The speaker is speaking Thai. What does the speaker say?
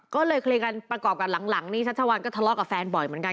ก็เลยเคลียร์กันประกอบกับหลังนี้ชัชวัลก็ทะเลาะกับแฟนบ่อยเหมือนกัน